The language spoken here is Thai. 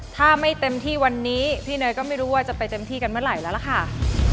ถ้าไม่เต็มที่วันนี้พี่เนยก็ไม่รู้ว่าจะไปเต็มที่กันเมื่อไหร่แล้วล่ะค่ะ